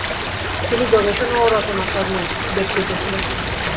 তিনি গবেষণা ও রচনাকর্মে ব্যাপৃত ছিলেন।